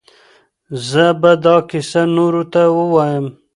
زه به دا کیسه نورو ته ووایم.